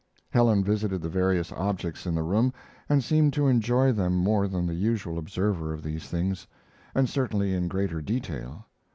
Helen visited the various objects in the room, and seemed to enjoy them more than the usual observer of these things, and certainly in greater detail.